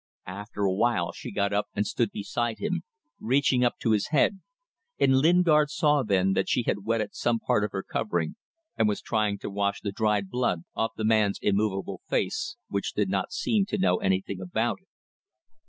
After a while she got up and stood beside him, reaching up to his head and Lingard saw then that she had wetted some part of her covering and was trying to wash the dried blood off the man's immovable face, which did not seem to know anything about it.